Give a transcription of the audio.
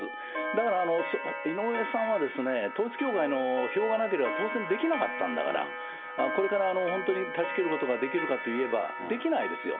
だから井上さんは統一教会の票がなければ当選できなかったんだから、これから本当に断ち切ることができるかといえば、できないですよ。